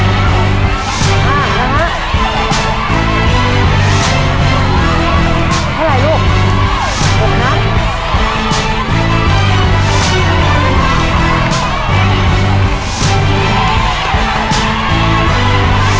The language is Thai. แล้วตีละครห้ามที่สุดเวลานะครับตอนนี้นะฮะเวลาเดือนอายุเท่าไหร่นะครับ